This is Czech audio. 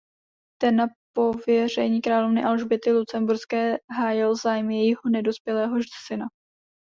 Ten na pověření královny Alžběty Lucemburské hájil zájmy jejího nedospělého syna.